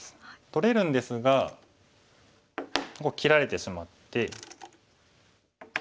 取れるんですがここ切られてしまって。